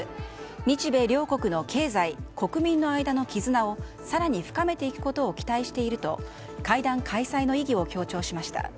日米両国の経済、国民の間の絆を更に深めていくことを期待していると会談開催の意義を強調しました。